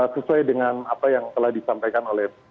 sesuai dengan apa yang telah disampaikan oleh